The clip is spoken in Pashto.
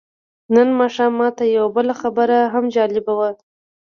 نن ماښام ماته یوه بله خبره هم جالبه وه.